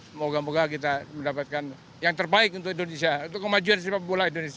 semoga moga kita mendapatkan yang terbaik untuk indonesia untuk kemajuan sepak bola indonesia